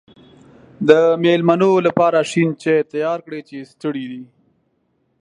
د مېلمنو لپاره شین چای تیار کړی چې ستړی دی.